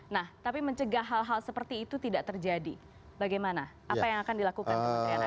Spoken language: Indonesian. nah tapi mencegah hal hal seperti itu tidak terjadi bagaimana apa yang akan dilakukan